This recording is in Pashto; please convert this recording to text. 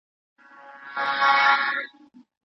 بلوڅانو او پښتنو د امنیت د خرابولو لپاره ښورښونه پیل کړل.